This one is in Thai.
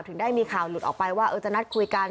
ถึงได้มีข่าวหลุดออกไปว่าจะนัดคุยกัน